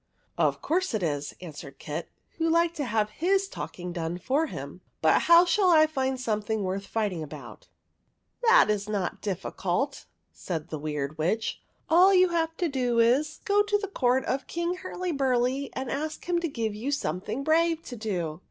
^'/'" Of course it is," answered Kit, who liked to have his talking done for him ;" but how shall I find something worth fighting about ?"" That is not difficult," said the Weird Witch. " All you have to do is to go to the court of King Hurlyburly, and ask him to give you something brave to do.